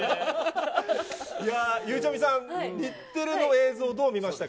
いやぁ、ゆうちゃみさん、日テレの映像、どう見ましたか？